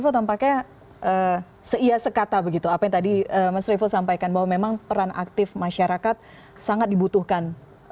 tampaknya seia sekata begitu apa yang tadi mas revo sampaikan bahwa memang peran aktif masyarakat sangat dibutuhkan